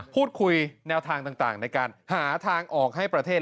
แนวทางต่างในการหาทางออกให้ประเทศ